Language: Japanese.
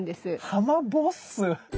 ハマボッス？